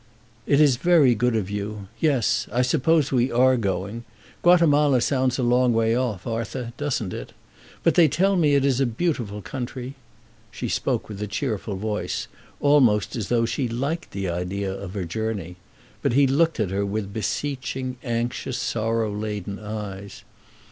"It is very good of you. Yes; I suppose we are going. Guatemala sounds a long way off, Arthur, does it not? But they tell me it is a beautiful country." She spoke with a cheerful voice, almost as though she liked the idea of her journey; but he looked at her with beseeching, anxious, sorrow laden eyes.